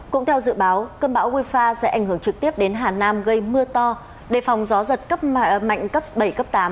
cũng theo dự báo cơn bão wifa sẽ ảnh hưởng trực tiếp đến hà nam gây mưa to đề phòng gió giật cấp mạnh cấp bảy cấp tám